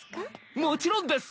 もちろんです！